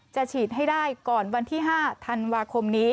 ฉีดให้ได้ก่อนวันที่๕ธันวาคมนี้